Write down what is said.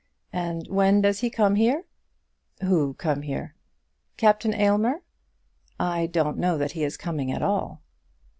And when does he come here?" "Who come here?" "Captain Aylmer." "I don't know that he is coming at all."